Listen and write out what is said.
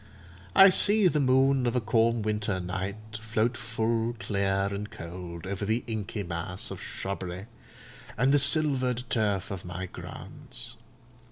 I see the moon of a calm winter night, float full, clear, and cold, over the inky mass of shrubbery, and the silvered turf of my grounds.